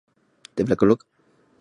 有子戴槚任儒学教谕。